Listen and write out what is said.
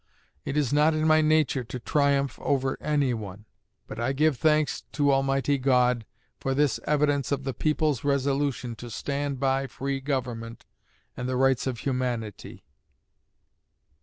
It is not in my nature to triumph over anyone; but I give thanks to Almighty God for this evidence of the people's resolution to stand by free government and the rights of humanity."